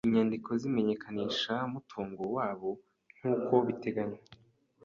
inyandiko z imenyenkanishamutungo wabo nk uko biteganywa